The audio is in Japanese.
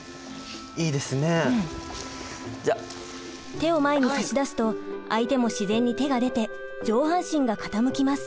手を前に差し出すと相手も自然に手が出て上半身が傾きます。